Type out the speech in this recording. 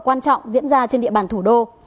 quan trọng diễn ra trên địa bàn thủ đô